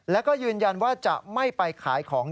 แล้วก็ยืนยันว่าจะไม่ไปขายของ